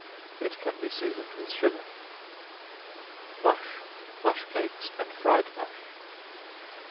It can be seasoned with sugar. Mush, Mush Cakes, and Fried Mush.